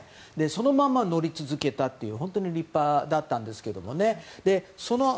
そのまま乗り続けたという本当に立派だったんですけども。